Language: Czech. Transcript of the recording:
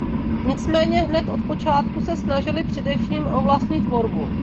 Nicméně hned od počátku se snažili především o vlastní tvorbu.